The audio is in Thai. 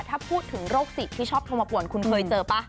ถ้าพูดถึงโรคจิตที่ชอบโทรมาป่วนคุณเคยเจอป่ะ